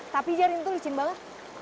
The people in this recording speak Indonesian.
tapi jar ini tuh licin banget